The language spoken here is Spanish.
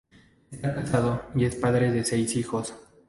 Está casado y es padre de seis hijos.